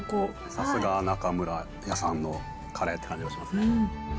さすが中村屋さんのカレーって感じがしますね。